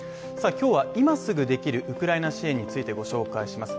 今日は、今すぐできるウクライナ支援について御紹介します。